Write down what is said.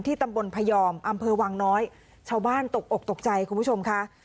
ตำบลพยอมอำเภอวังน้อยชาวบ้านตกอกตกใจคุณผู้ชมค่ะ